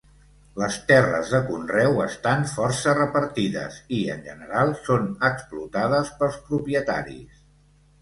Les terres de conreu estan força repartides i, en general, són explotades pels propietaris.